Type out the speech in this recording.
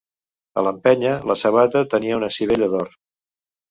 A l'empenya, la sabata tenia una sivella d'or.